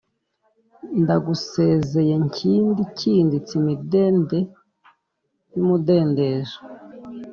Ndagusezeye nkindi ikinditse imidende y'umudendezo